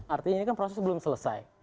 artinya ini kan proses belum selesai